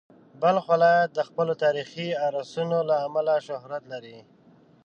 بلخ ولایت د خپلو تاریخي ارثونو له امله شهرت لري.